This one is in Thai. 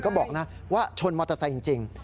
ก็บอกนะว่าชนมอเตอร์ไซค์จริง